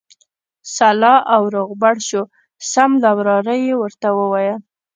سلا او روغبړ شو، سم له واره یې ورته وویل.